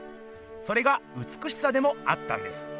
それがうつくしさでもあったんです。